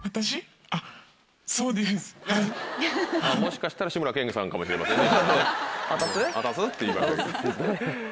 もしかしたら志村けんさんかもしれませんね。